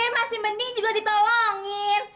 masih mending juga ditolongin